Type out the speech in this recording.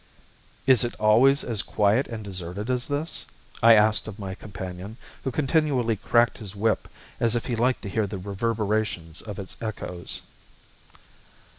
"Is it always as quiet and deserted as this?" I asked of my companion, who continually cracked his whip as if he liked to hear the reverberations of its echoes.